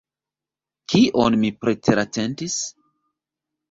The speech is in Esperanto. Kion mi preteratentis?